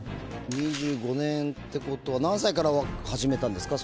２５年ってことは何歳から始めたんですか？